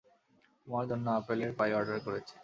তোমার জন্য আপেলের পাই অর্ডার করেছি।